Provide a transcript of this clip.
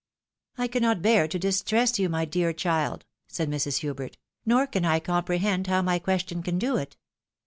" I cannot bear to distress you, my dear child," said Mrs. Hubert, " nor can I comprehend how my question can do it.